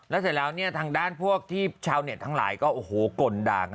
แล้วเสร็จแล้วเนี่ยทางด้านพวกที่ชาวเน็ตทั้งหลายก็โอ้โหกลด่ากัน